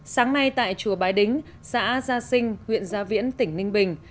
sáng nay tại chùa bái đính xã gia sinh huyện gia viễn tỉnh ninh bình